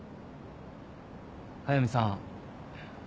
速見さん。